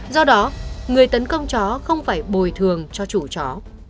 do đó người tấn công chó không phải bồi thường cho chủ chó